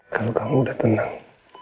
kalau kamu udah tenang